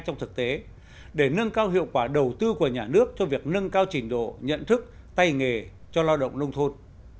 trong thực tế để nâng cao hiệu quả đầu tư của nhà nước cho việc nâng cao trình độ nhận thức tay nghề cho lao động nông thôn